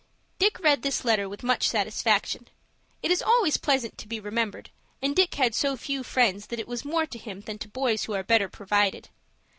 Dick read this letter with much satisfaction. It is always pleasant to be remembered, and Dick had so few friends that it was more to him than to boys who are better provided.